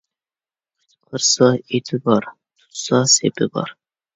قىچقارسا ئېتى بار، تۇتسا سېپى بار.